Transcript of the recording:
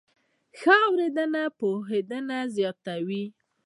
ښه اورېدنه پوهېدنه زیاتوي.